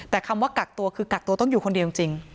แต่คำว่ากักตัวคือกักตัวต้องอยู่คนเดียวจริง